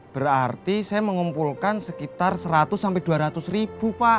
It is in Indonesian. berarti saya mengumpulkan sekitar seratus sampai dua ratus ribu pak